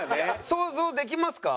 想像できますか？